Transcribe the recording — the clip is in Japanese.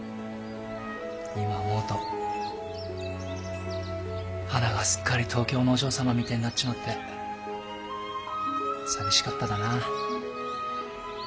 今思うとはながすっかり東京のお嬢様みてえになっちまって寂しかっただな。